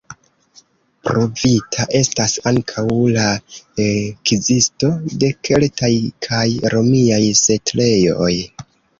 Pruvita estas ankaŭ la ekzisto de keltaj kaj romiaj setlejoj.